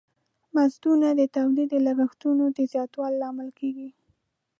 مزدونه د تولید د لګښتونو د زیاتوالی لامل کیږی.